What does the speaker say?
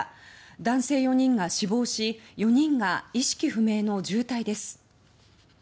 男性４人が死亡し４人が意識不明の重体です。